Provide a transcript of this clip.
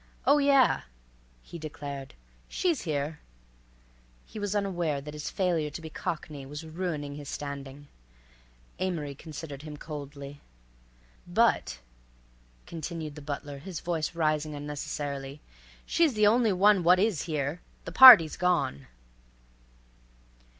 "Oh, yeah," he declared, "she's here." He was unaware that his failure to be cockney was ruining his standing. Amory considered him coldly. "But," continued the butler, his voice rising unnecessarily, "she's the only one what is here. The party's gone."